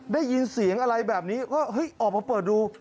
ได้ยินเสียงอะไรแบบนี้ก็เฮ้ยออกมาเปิดดู